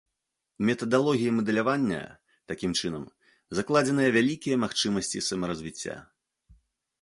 У метадалогіі мадэлявання, такім чынам, закладзеныя вялікія магчымасці самаразвіцця.